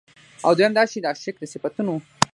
او دويم دا چې د عاشق د صفتونو